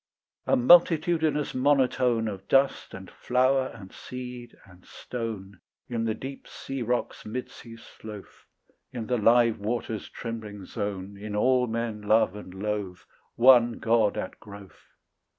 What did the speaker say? A multitudinous monotone Of dust and flower and seed and stone, In the deep sea rock's mid sea sloth, In the live water's trembling zone, In all men love and loathe, One God at growth.